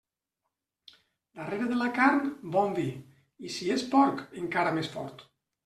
Darrere de la carn, bon vi, i si és porc, encara més fort.